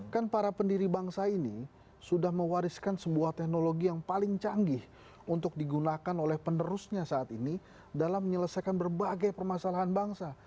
kan para pendiri bangsa ini sudah mewariskan sebuah teknologi yang paling canggih untuk digunakan oleh penerusnya saat ini dalam menyelesaikan berbagai permasalahan bangsa